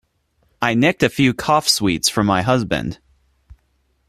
I nicked a few cough sweets from my husband.